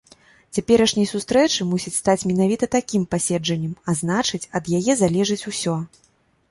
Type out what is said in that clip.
Цяперашняй сустрэчы мусіць стаць менавіта такім пасяджэннем, а значыць, ад яе залежыць усё.